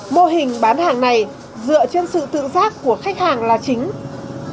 mô hình bán hàng này dựa trên sự tự giác của khách hàng là chính